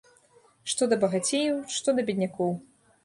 Што да багацеяў, што да беднякоў.